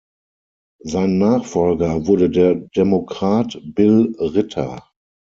Sein Nachfolger wurde der Demokrat Bill Ritter.